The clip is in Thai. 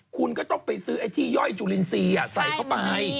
คุณก็ต้องไปซื้อไอ้ที่ย่อยจุลินทรีย์ใส่เข้าไป